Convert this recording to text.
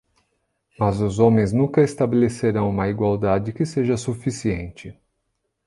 Mas os homens nunca estabelecerão uma igualdade que seja suficiente.